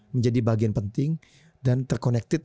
menjadi bagian penting dan terkonektif